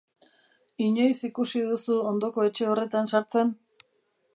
Inoiz ikusi duzu ondoko etxe horretan sartzen?